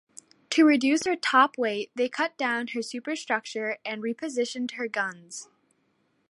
To reduce her top weight, they cut down her superstructure and repositioned her guns.